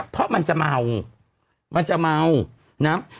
เพราะมันจะเมามันจะเมานะ